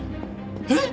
えっ？